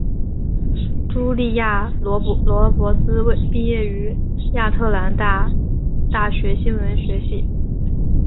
茱莉亚罗勃兹毕业于亚特兰大大学新闻学系。